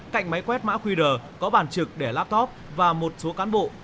cạnh máy quét mã qr có bản trực để laptop và một số cán bộ